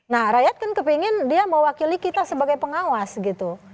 nah rakyat kan kepingin dia mewakili kita sebagai pengawas gitu